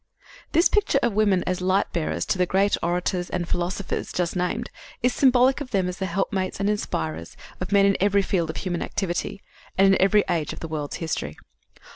This picture of women as light bearers to the great orators and philosophers just named is symbolic of them as the helpmates and inspirers of men in every field of human activity and in every age of the world's history.